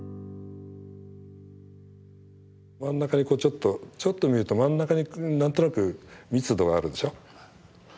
真ん中にこうちょっとちょっと見ると真ん中に何となく密度があるでしょ？